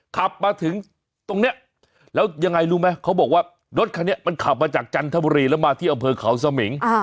ขับมาถึงตรงนี้แล้วยังไงรู้ไหมเขาบอกว่ารถคันนี้มันขับมาจากจันทบุรีแล้วมาที่อำเภอเขาสมิง